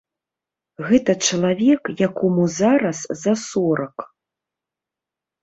Гэта чалавек, якому зараз за сорак.